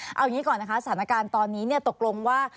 เอาอย่างนี้ก่อนนะคะสถานการณ์ตอนนี้ตกลงว่า